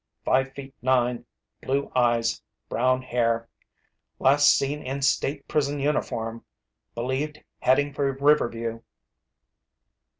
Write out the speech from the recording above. Five feet nine, blue eyes, brown hair. Last seen in state prison uniform. Believed heading for Riverview."